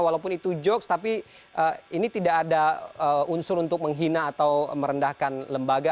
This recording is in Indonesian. walaupun itu jokes tapi ini tidak ada unsur untuk menghina atau merendahkan lembaga